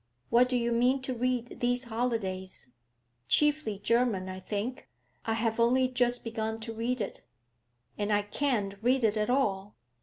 What do you mean to read these holidays?' 'Chiefly German, I think. I have only just begun to read it.' 'And I can't read it at all.